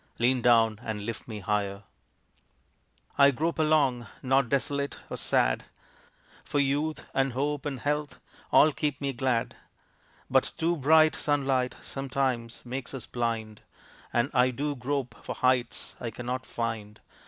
Lean down and lift me higher. I grope along not desolate or sad, For youth and hope and health all keep me glad; But too bright sunlight, sometimes, makes us blind, And I do grope for heights I cannot find.